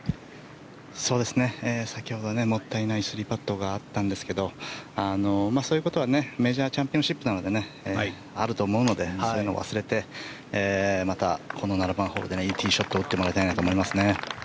先ほど、もったいない３パットがあったんですけどそういうことはメジャーチャンピオンシップなのであると思うのでそういうのは忘れてまた、この７番ホールでいいティーショットを打ってもらいたいなと思いますね。